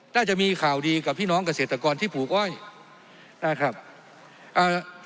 น่าจะมีข่าวดีกับพี่น้องเกษตรกรที่ปลูกอ้อยนะครับอ่า